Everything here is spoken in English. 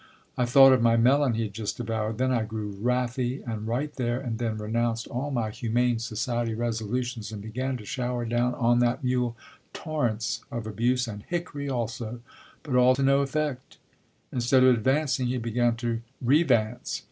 I thought of my melon he had just devoured; then I grew wrathy, and right there and then renounced all my Humane Society resolutions, and began to shower down on that mule torrents of abuse and hickory also, but all to no effect. Instead of advancing he began to "revance."